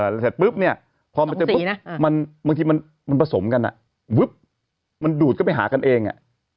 แล้วเสร็จปุ๊บเนี่ยพอมาเจอปุ๊บบางทีมันผสมกันมันดูดเข้าไปหากันเอง